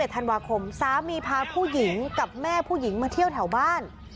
ธันวาคมสามีพาผู้หญิงกับแม่ผู้หญิงมาเที่ยวแถวบ้าน